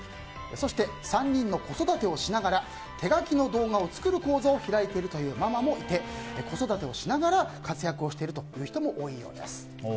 そして、３人の子育てをしながら手書きの動画を作る講座を開いているというママもいて子育てをしながら活躍しているという人も多いようです。